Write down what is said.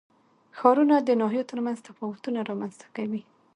ښارونه د ناحیو ترمنځ تفاوتونه رامنځ ته کوي.